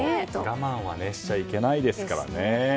我慢はしちゃいけないですから。